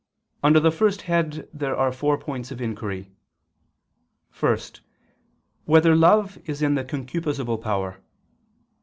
Under the first head there are four points of inquiry: (1) Whether love is in the concupiscible power?